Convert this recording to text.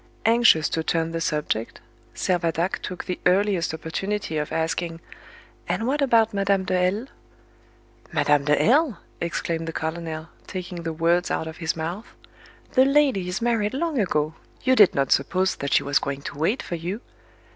Anxious to turn the subject, Servadac took the earliest opportunity of asking, "And what about Madame de L ?" "Madame de L !" exclaimed the colonel, taking the words out of his mouth; "the lady is married long ago; you did not suppose that she was going to wait for you.